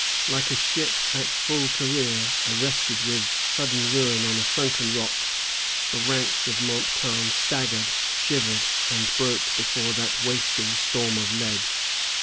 Like a ship at full career, arrested with sudden ruin on a sunken rock, the ranks of Montcalm staggered, shivered, and broke before that wasting storm of lead.